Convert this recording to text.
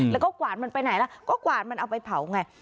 แล้วก็กวาดมันไปไหนแล้วก็กวาดมันเอาไปเผาไง